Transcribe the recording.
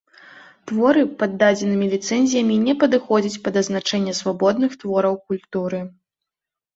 Творы пад дадзенымі ліцэнзіямі не падыходзяць пад азначэнне свабодных твораў культуры.